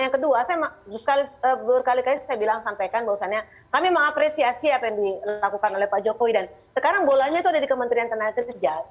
yang kedua saya berkali kali saya bilang sampaikan bahwasannya kami mengapresiasi apa yang dilakukan oleh pak jokowi dan sekarang bolanya itu ada di kementerian tenaga kerja